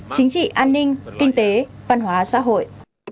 chính trị an ninh kinh tế văn hóa xã hội